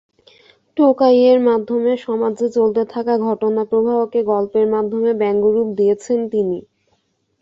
টোকাইয়ের মাধ্যমে সমাজে চলতে থাকা ঘটনাপ্রবাহকে গল্পের মাধ্যমে ব্যঙ্গরূপ দিয়েছেন তিনি।